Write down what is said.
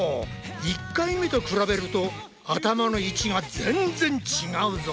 １回目と比べると頭の位置が全然違うぞ！